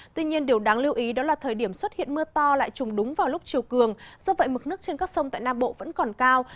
tuy nhiên điều đáng lưu ý đó là thời điểm xuất hiện mưa to lại trùm đúng vào lúc chiều cường do vậy mực nước trên các sông tại nam bộ vẫn còn cao